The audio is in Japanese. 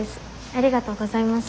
ありがとうございます。